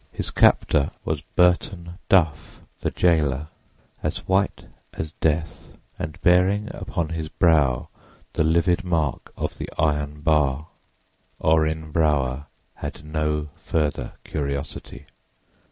His captor was Burton Duff, the jailer, as white as death and bearing upon his brow the livid mark of the iron bar. Orrin Brower had no further curiosity.